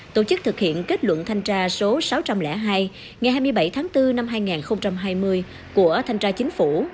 tổ chức thực hiện kết luận thanh tra số sáu trăm linh hai ngày hai mươi bảy tháng bốn năm hai nghìn hai mươi của thanh tra chính phủ